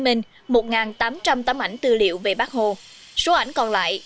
xin chào và hẹn gặp lại